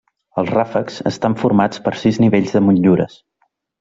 Els ràfecs estan formats per sis nivells de motllures.